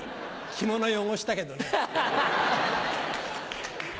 着物汚したけどね。